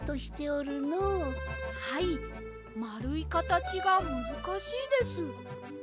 はいまるいかたちがむずかしいです。